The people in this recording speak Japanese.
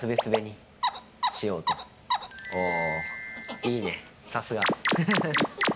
いいね、さすが。